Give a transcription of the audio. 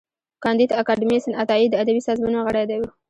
کانديد اکاډميسن عطايي د ادبي سازمانونو غړی و.